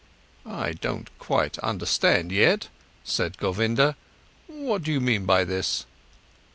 "I don't quite understand yet," asked Govinda, "what do you mean by this?"